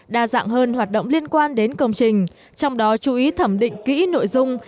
đa dạng hơn hoạt động liên quan đến công trình trong đó chú ý thẩm định kỹ nội dung